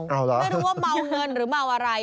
ไม่รู้ว่าเมาเงินหรือเมาอะไร